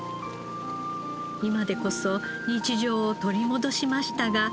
今でこそ日常を取り戻しましたが。